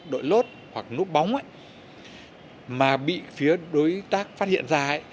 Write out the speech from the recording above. đội lốt hoặc núp bóng ấy mà bị phía đối tác phát hiện ra ấy